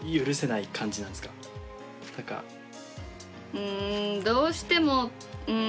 うんどうしてもうん。